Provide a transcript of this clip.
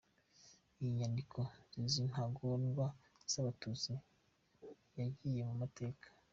Iyi nyandiko yizi ntagondwa z’abatutsi yagiye mumateka.